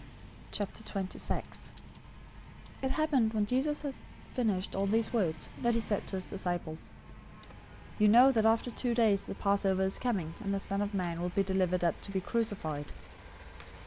026:001 It happened, when Jesus had finished all these words, that he said to his disciples, 026:002 "You know that after two days the Passover is coming, and the Son of Man will be delivered up to be crucified."